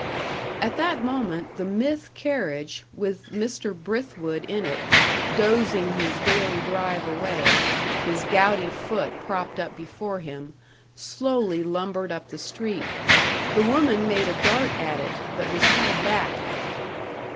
At that moment, the Mythe carriage, with Mr. Brithwood in it, dozing his daily drive away, his gouty foot propped up before him slowly lumbered up the street. The woman made a dart at it, but was held back.